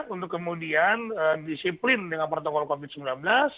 untuk kemudian disiplin dengan protokol covid sembilan belas